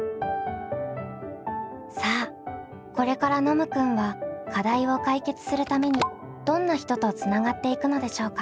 さあこれからノムくんは課題を解決するためにどんな人とつながっていくのでしょうか？